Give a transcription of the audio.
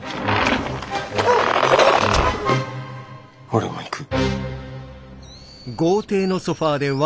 俺も行く。